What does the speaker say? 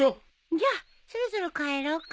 じゃそろそろ帰ろうか。